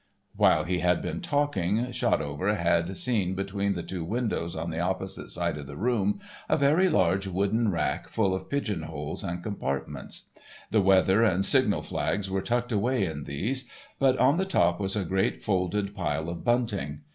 While he had been talking, Shotover had seen between the two windows on the opposite side of the room a very large wooden rack full of pigeon holes and compartments: The weather and signal flags were tucked away in these, but on the top was a great folded pile of bunting.